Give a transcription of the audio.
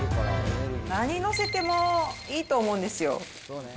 何載せてもいいと思うんですよ。